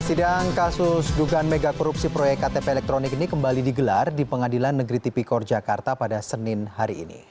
sidang kasus dugaan megakorupsi proyek ktp elektronik ini kembali digelar di pengadilan negeri tipikor jakarta pada senin hari ini